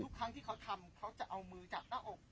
ครั้งที่เขาทำเขาจะเอามือจับหน้าอก